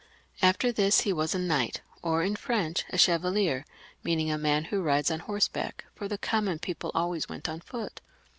After this he was a knight, or in iVench, a chevalier; meaning a man who rides on horseback, for the common people always went on foot.